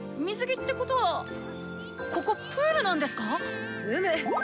水着ってことはここプールなんですか⁉うむ！